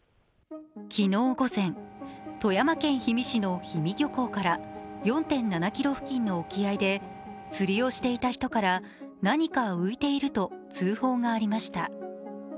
昨日午前、富山県氷見の氷見漁港から４．７ｋｍ付近の沖合で釣りをしている人から何か浮いていると通報がありました。